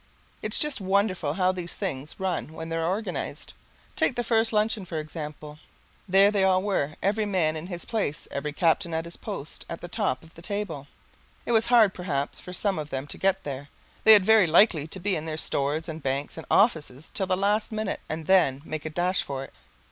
It's just wonderful how these things run when they're organized. Take the first luncheon, for example. There they all were, every man in his place, every captain at his post at the top of the table. It was hard, perhaps, for some of them to get there. They had very likely to be in their stores and banks and offices till the last minute and then make a dash for it.